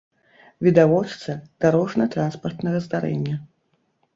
відавочца дарожна-транспартнага здарэння